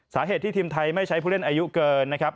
สาเหตุที่ทีมไทยไม่ใช้ผู้เล่นอายุเกินนะครับ